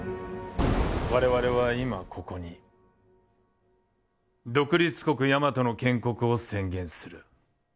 我々は今ここに独立国・大和の建国を宣言する。